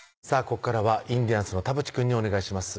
ここからはインディアンスの田渕くんにお願いします